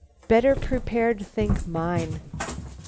"Better prepared think mine."